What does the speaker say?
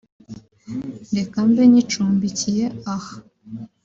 reka mbe nyicumbikiye aha